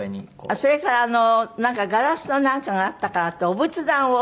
あっそれからガラスのなんかがあったからってお仏壇を。